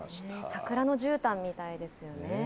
桜のじゅうたんみたいですよね。